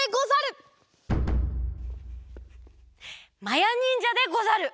まやにんじゃでござる！